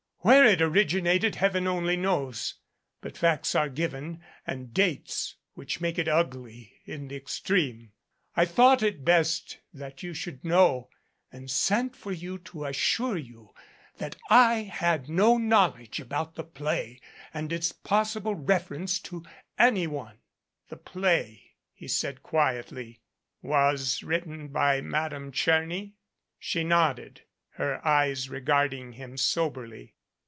Where it originated Heaven only knows, but facts are given and dates which make it ugly in the extreme. I thought it best that you should know and sent for you to assure you that I had no knowledge about the play and its possible reference to any one." 309 MADCAP "The play," he asked quietly, "was written by Madame Tcherny?" She nodded, her eyes regarding him soberly.